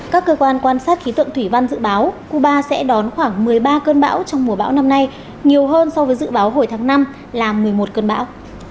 các cơ quan quan sát khí tượng thủy văn dự báo cuba sẽ đón khoảng một mươi ba cơn bão trong mùa bão năm nay nhiều hơn so với dự báo hồi tháng năm là một mươi một cơn bão